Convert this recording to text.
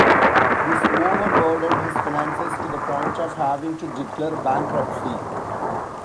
This over burdened his finances to the point of having to declare bankruptcy.